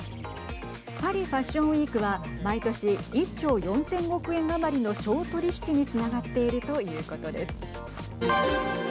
パリ・ファッションウイークは毎年１兆４０００億円余りの商取引につながっているということです。